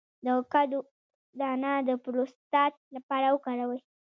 د کدو دانه د پروستات لپاره وکاروئ